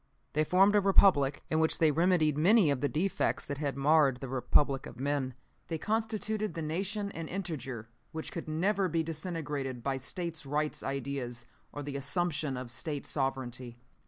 "They formed a Republic, in which they remedied many of the defects that had marred the Republic of men. They constituted the Nation an integer which could never be disintegrated by States' Rights ideas or the assumption of State sovereignty.